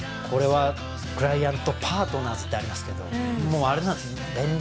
これはクライアントパートナーズってありますけどもうあれなんですね